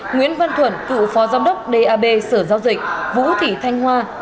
nguyễn văn thuận cựu phó giám đốc dap sở giao dịch vũ thị thanh hoa